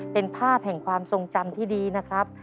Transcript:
เป็นภาพแห่งความทรงจำที่ดีนะครับ